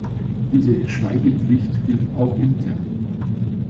Diese "Schweigepflicht" gilt auch intern.